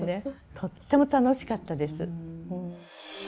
とっても楽しかったです。